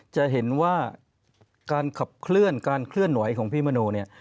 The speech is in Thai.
จะเห็นว่าการขับเคลื่อนการเคลื่อนไหวของพี่มโนเนี่ย